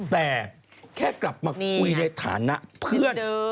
แต่แค่กลับมาคุยในฐานะเพื่อน